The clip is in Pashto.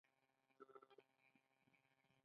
دې چوکۍ لپاره درې سوه اویا زره ډالره ولګول.